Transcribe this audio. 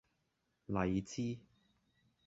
荔枝